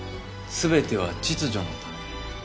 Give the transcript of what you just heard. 「全ては秩序のため」。